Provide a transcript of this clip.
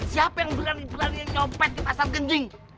siapa yang berani berani yang copet di pasar genjing